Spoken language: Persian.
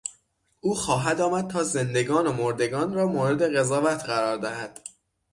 او خواهد آمد تا زندگان و مردگان را مورد قضاوت قرار دهد.